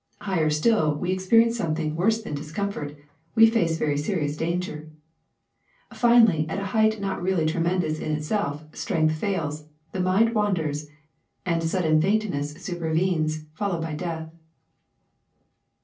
Higher still, we experience something worse than discomfort; we face very serious danger. Finally, at a height not really tremendous in itself strength fails, the mind wanders, and sudden faintness super venes, followed by death.